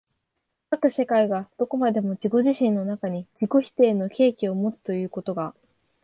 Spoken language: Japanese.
斯く世界がどこまでも自己自身の中に自己否定の契機をもつということが、